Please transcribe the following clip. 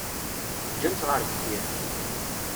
Ǧǧan-tt ɣer deffir.